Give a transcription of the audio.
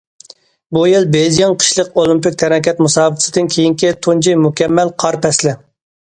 بۇ يىل بېيجىڭ قىشلىق ئولىمپىك تەنھەرىكەت مۇسابىقىسىدىن كېيىنكى تۇنجى مۇكەممەل قار پەسلى.